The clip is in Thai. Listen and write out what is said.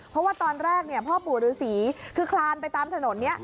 เพราะว่าตอนแรกพ่อปู่ฤษีคือคลานไปตามถนนนี้